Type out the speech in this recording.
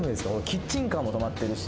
キッチンカーも止まってるし。